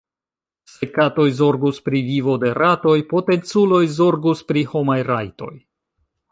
Se katoj zorgus pri vivo de ratoj, potenculoj zorgus pri homaj rajtoj.